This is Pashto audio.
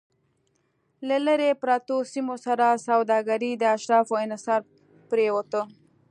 له لرې پرتو سیمو سره سوداګري د اشرافو انحصار پرېوته